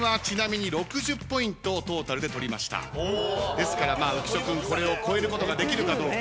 ですから浮所君これを超えることができるかどうか。